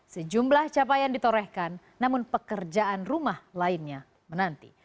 sejumlah capaian ditorehkan namun pekerjaan rumah lainnya menanti